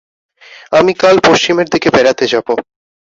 আমি কাল পশ্চিমের দিকে বেড়াতে যাবো।